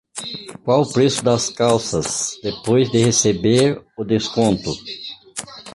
Qual o preço das calças depois de receber o desconto?